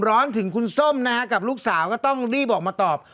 ร้อนถึงคุณส้มนะฮะกับลูกสาวก็ต้องรีบออกมาตอบ